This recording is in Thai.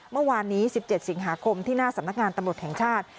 เมื่อวานนี้๑๗สิงหาคมที่หน้าสำนักงานตำรวจแห่งชาติ